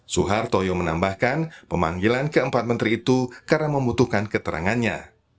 suhartoyo menambahkan pemanggilan keempat menteri itu karena membutuhkan keterangannya